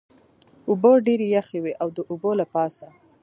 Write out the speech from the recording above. اوبه ډېرې یخې وې، د اوبو له پاسه.